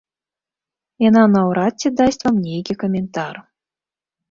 Яна наўрад ці дасць вам нейкі каментар.